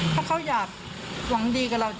เพราะเขาอยากหวังดีกับเรา